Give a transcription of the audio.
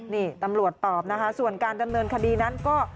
นี่ตำรวจตอบนะคะส่วนการดำเนินคดีนั้นก็